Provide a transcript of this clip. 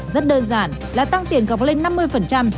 rất đơn giản là tăng tiền cọc lên năm mươi